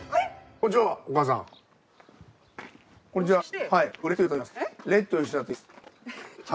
こんにちは。